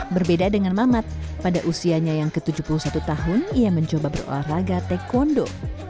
berbeda dengan mamat pada usianya yang ke tujuh puluh satu tahun ia mencoba berolahraga taekwondo